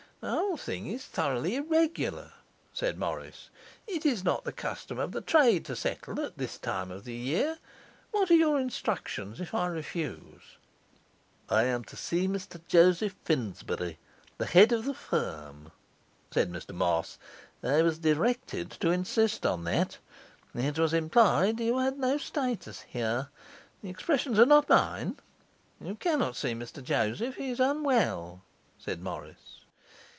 'The whole thing is thoroughly irregular,' said Morris. 'It is not the custom of the trade to settle at this time of the year. What are your instructions if I refuse?' 'I am to see Mr Joseph Finsbury, the head of the firm,' said Mr Moss. 'I was directed to insist on that; it was implied you had no status here the expressions are not mine.' 'You cannot see Mr Joseph; he is unwell,' said Morris.